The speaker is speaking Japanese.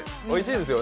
おいしい。